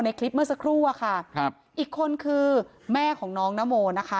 คลิปเมื่อสักครู่อะค่ะครับอีกคนคือแม่ของน้องนโมนะคะ